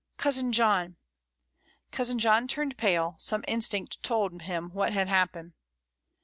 cousin John!" Cousin John turned pale, some instinct told him what had happened.